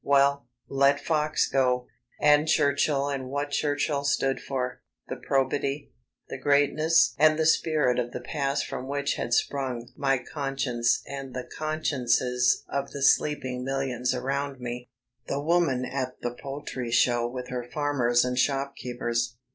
Well, let Fox go. And Churchill and what Churchill stood for; the probity; the greatness and the spirit of the past from which had sprung my conscience and the consciences of the sleeping millions around me the woman at the poultry show with her farmers and shopkeepers.